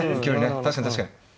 確かに確かに。